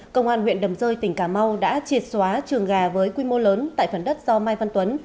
công an huyện đầm rơi tỉnh cà mau đã triệt xóa trường gà với quy mô lớn tại phần đất do mai văn tuấn